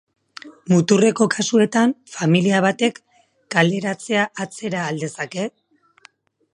Muturreko kasuetan, familia batek kaleratzea atzera al dezake?